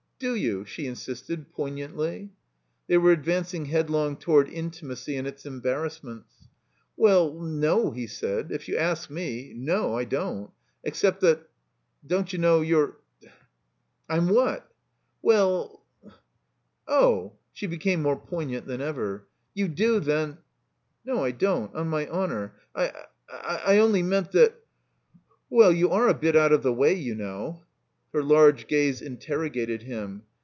a you?" she insisted, poignantly. They were advancing headlong toward intimacy and its embarrassments. "Well, no," he said, "if you ask me — no, I don't. Except that, don't you know, you're —" "I'm what?" "Well—" "Oh!" (She became more pcrignant than ever.) "You do, then—" "No, I don't — on my honor I — ^I only meant that — ^well, you are a bit out of the way, you know." Her large gaze interrogated him.